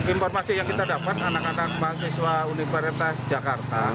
informasi yang kita dapat anak anak mahasiswa universitas jakarta